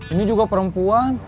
ini juga perempuan